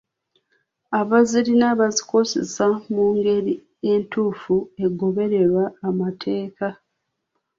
Abazirina bazikozese mu ngeri entuufu egoberera amateeka.